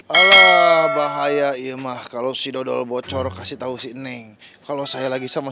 alah bahaya iya mah kalau si dodol bocor kasih tahu si neng kalau saya lagi sama